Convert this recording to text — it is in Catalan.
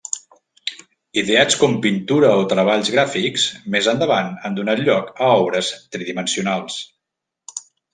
Ideats com pintura o treballs gràfics, més endavant han donat lloc a obres tridimensionals.